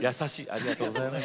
ありがとうございます。